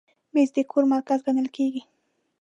مېز د کور مرکز ګڼل کېږي.